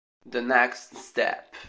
The Next Step